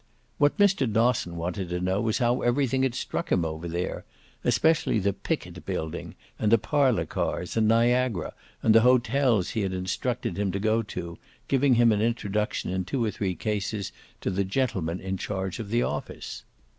What Mr. Dosson wanted to know was how everything had struck him over there, especially the Pickett Building and the parlour cars and Niagara and the hotels he had instructed him to go to, giving him an introduction in two or three cases to the gentleman in charge of the office.